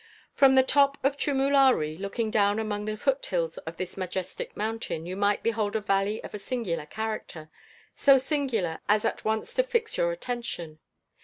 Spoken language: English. From the top of Chumulari, looking down among the foot hills of this majestic mountain, you might behold a valley of a singular character so singular as at once to fix your attention.